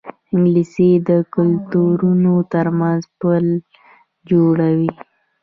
انګلیسي د کلتورونو ترمنځ پل جوړوي